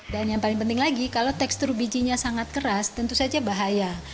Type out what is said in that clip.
dan yang paling penting lagi kalau tekstur bijinya sangat keras tentu saja bahaya